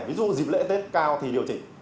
ví dụ dịp lễ tết cao thì điều chỉnh